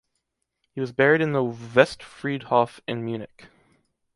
He was buried in the Westfriedhof in Munich.